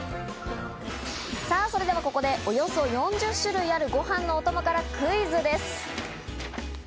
さぁ、それではここでおよそ４０種類ある、ごはんのお供からクイズです。